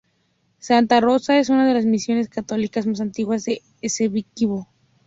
Santa Rosa es una de las misiones católicas más antiguas del Esequibo.